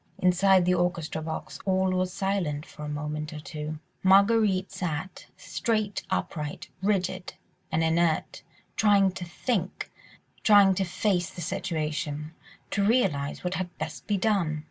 Inside the orchestra box all was silent for a moment or two. Marguerite sat, straight upright, rigid and inert, trying to think, trying to face the situation, to realise what had best be done.